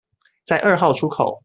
在二號出口